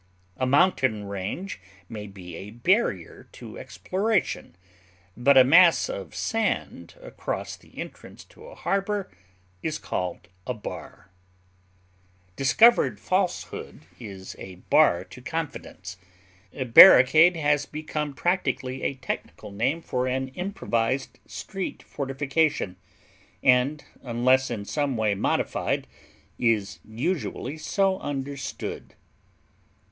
A mountain range may be a barrier to exploration; but a mass of sand across the entrance to a harbor is called a bar. Discovered falsehood is a bar to confidence. Barricade has become practically a technical name for an improvised street fortification, and, unless in some way modified, is usually so understood.